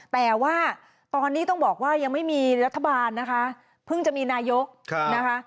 แต่ว่าตอนนี้ต้องบอกว่ายังไม่มีรัฐบาลนะคะเพิ่งจะมีนายกนะคะ